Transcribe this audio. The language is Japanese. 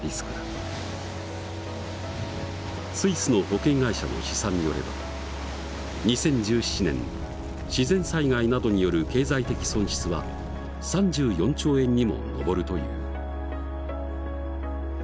スイスの保険会社の試算によれば２０１７年自然災害などによる経済的損失は３４兆円にも上るという。